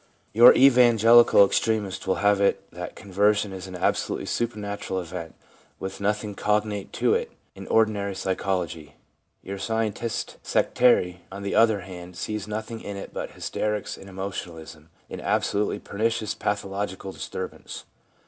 Your ' evangelical ' extremist will have it that conversion is an absolutely supernatural event, with nothing cognate to it in ordinary psychology. Your 'scientist* sectary, on the other hand, sees nothing in it but hysterics and emotionalism, an absolutely pernicious pathological disturbance.